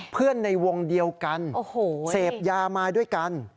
ในวงเดียวกันเสพยามาด้วยกัน